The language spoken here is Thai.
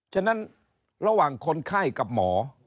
ฉะนั้นระหว่างคนไข้กับหมอ